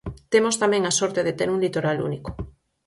Temos tamén a sorte de ter un litoral único.